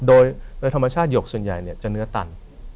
โดยธรรมชาติหยกส่วนใหญ่จะเนื้อตัน